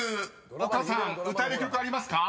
丘さん歌える曲ありますか？］